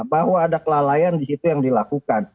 bahwa ada kelalaian di situ yang dilakukan